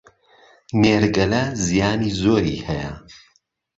نێرگەلە زیانی زۆری هەیە